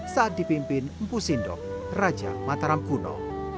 saat dipimpin empusindok raja mataram kuno